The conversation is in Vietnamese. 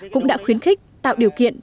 cũng đã khuyến khích tạo điều kiện